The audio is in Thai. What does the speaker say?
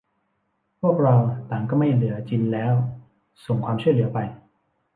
พวกเราต่างก็ไม่เหลือจินแล้ว : ส่งความช่วยเหลือไป !